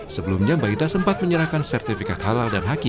sebelumnya balita sempat menyerahkan sertifikat halal dan haki